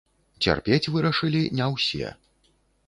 Цярпець вырашылі не ўсе.